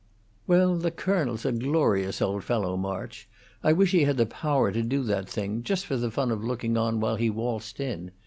"Well, the colonel's a glorious old fellow, March. I wish he had the power to do that thing, just for the fun of looking on while he waltzed in.